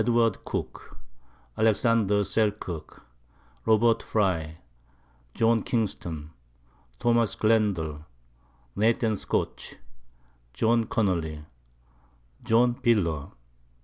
Cooke, Alex. Selkirk, Rob. Frye, John Kingston, Tho. Glendall, Nath. Scotch, John Connely, John Piller.